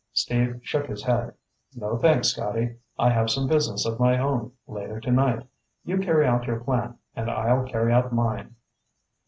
Steve shook his head. "No thanks, Scotty. I have some business of my own later tonight. You carry out your plan and I'll carry out mine."